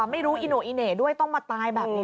ไม่รู้อิโนอิเน่ด้วยต้องมาตายแบบนี้